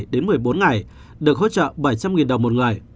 đến một mươi bốn ngày được hỗ trợ bảy trăm linh đồng một người